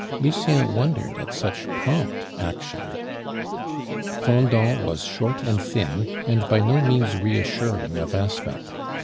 Lucien wondered at such prompt action. Fendant was short and thin, and by no means reassuring of aspect.